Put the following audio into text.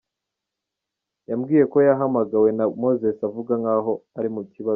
Yambwiye ko yahamagawe na Moses avuga nk’aho ari mu kibazo.”